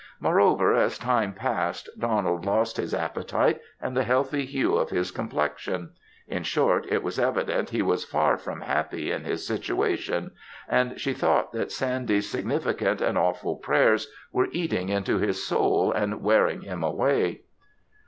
Moreover, as time passed, Donald lost his appetite and the healthy hue of his complexion; in short it was evident he was far from happy in his situation; and she thought that Sandy's significant and awful prayers were eating into his soul and wearing him away.